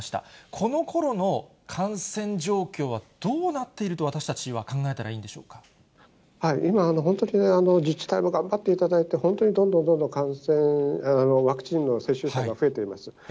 このころの感染状況はどうなっていると、私たちは考えたらいいん今、本当に自治体も頑張っていただいて、本当にどんどんどんどんワクチンの接種者は増えています。